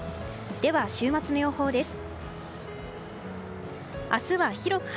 では、週末の予報です。